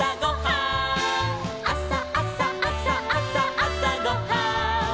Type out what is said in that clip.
「あさあさあさあさあさごはん」